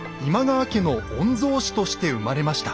家の御曹司として生まれました。